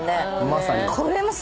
まさに。